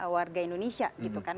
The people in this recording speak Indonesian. warga indonesia gitu kan